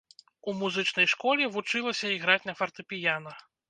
У музычнай школе вучылася іграць на фартэпіяна.